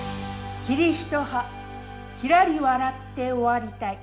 「桐一葉ひらり笑って終わりたい」。